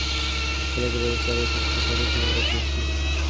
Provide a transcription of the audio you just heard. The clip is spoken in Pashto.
خپله ژبه وپالئ ترڅو تاریخ مو ورک نه سي.